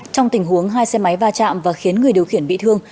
trong tình huống hai xe máy va chạm và khiến người điều khiển bị thương